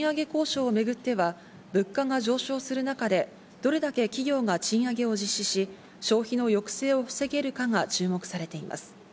来年の賃上げ交渉をめぐっては、物価が上昇する中で、どれだけ企業が賃上げを実施し、消費の抑制を防げるかが注目されています。